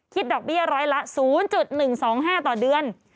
ดอกเบี้ยร้อยละ๐๑๒๕ต่อเดือน